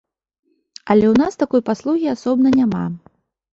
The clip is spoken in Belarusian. Але ў нас такой паслугі асобна няма.